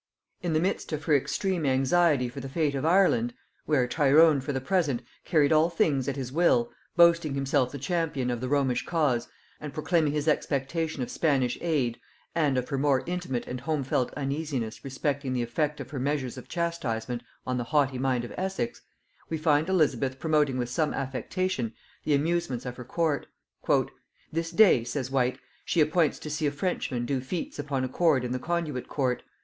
] In the midst of her extreme anxiety for the fate of Ireland, where Tyrone for the present carried all things at his will, boasting himself the champion of the Romish cause, and proclaiming his expectation of Spanish aid; and of her more intimate and home felt uneasiness respecting the effect of her measures of chastisement on the haughty mind of Essex, we find Elizabeth promoting with some affectation the amusements of her court. "This day," says Whyte, "she appoints to see a Frenchman do feats upon a cord in the conduit court.